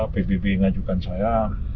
pbb mengajukan saya